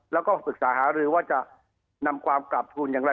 แล้วก็ปรึกษาหารือว่าจะนำความกลับทูลอย่างไร